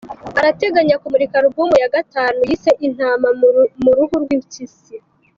Arateganya kumurika Album ya gatanu yise Intama mu ruhu rw’impyisi.